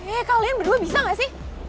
eh kalian berdua bisa nggak sih